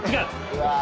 うわ。